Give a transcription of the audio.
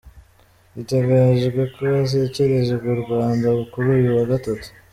Biteganyijwe ko ashyikirizwa u Rwanda kuri uyu wa Gatatu.